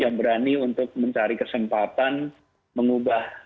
yang berani untuk mencari kesempatan mengubah hidup mereka